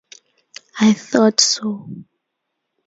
I thought so.